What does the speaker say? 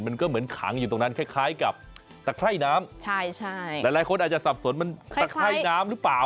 มันก็เหมือนขังอยู่ตรงนั้นคล้ายกับตะไคร่น้ำใช่ใช่หลายคนอาจจะสับสนมันตะไคร่น้ำหรือเปล่า